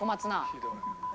ひどい。